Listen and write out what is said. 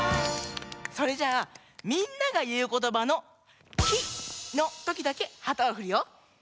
それじゃあみんながいうことばの「キ」のときだけ旗をふるよ。